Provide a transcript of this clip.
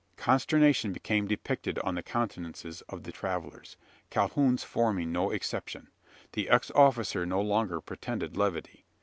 Consternation became depicted on the countenances of the travellers, Calhoun's forming no exception. The ex officer no longer pretended levity.